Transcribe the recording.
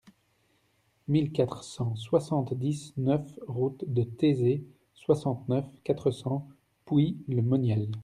mille quatre cent soixante-dix-neuf route de Theizé, soixante-neuf, quatre cents, Pouilly-le-Monial